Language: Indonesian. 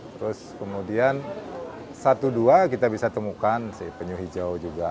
terus kemudian satu dua kita bisa temukan si penyu hijau juga